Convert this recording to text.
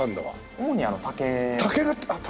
主に竹。